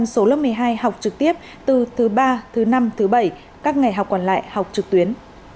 số lớp một mươi hai học trực tiếp từ thứ ba thứ năm thứ bảy các ngày học còn lại học trực tuyến